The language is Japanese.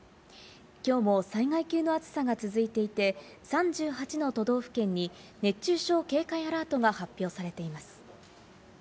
きょうも災害級の暑さが続いていて、３８の都道府県に熱中症警戒アラートが発表されています。